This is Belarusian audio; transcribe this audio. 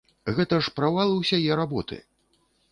Гэта ж правал усяе работы!